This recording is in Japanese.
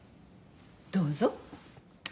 どうぞ。